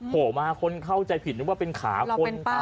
โผล่มาคนเข้าใจผิดนึกว่าเป็นขาคน